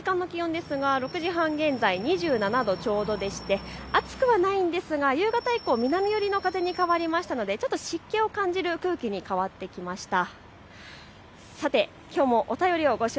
そしてこの時間の気温ですが６時半現在２７度ちょうどでして暑くはないんですが夕方以降、南寄りの風に変わりましたのでちょっと湿気を感じる空気に変わってきました。